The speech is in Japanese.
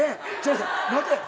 待て。